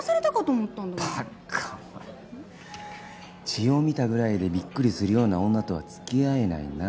血を見たぐらいでびっくりするような女とは付き合えないな。